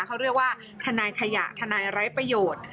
เขาเรียกว่าทนายขยะทนายไร้ประโยชน์